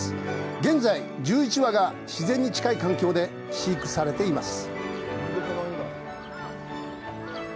現在１１羽が自然に近い環境で飼育されています。